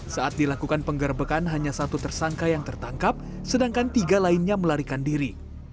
saat dilakukan penggerbekan hanya satu tersangka yang tertangkap sedangkan tiga lainnya melarikan diri